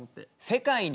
世界に？